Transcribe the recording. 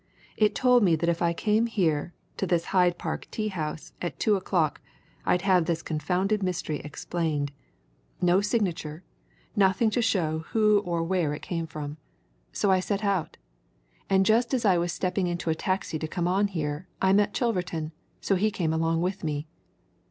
"It told me that if I came here, to this Hyde Park tea house, at two o'clock, I'd have this confounded mystery explained. No signature nothing to show who or where it came from. So I set out. And just as I was stepping into a taxi to come on here, I met Chilverton, so he came along with me.